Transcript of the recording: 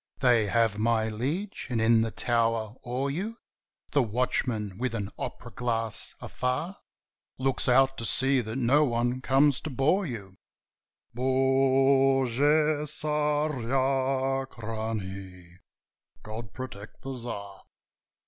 "They have, my liege, and in the tower o'er you The watchman, with an opera glass, afar Looks out to see that no one comes to bore you: Bogu Tsarachnie! God protect the Tsar!"